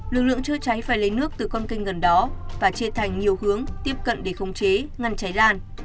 lực lượng chữa cháy phải lấy nước từ con kênh gần đó và chia thành nhiều hướng tiếp cận để khống chế ngăn cháy lan